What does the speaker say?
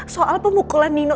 soal pemukulan nino